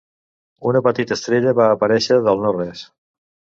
Una petita estrella va aparèixer del no-res.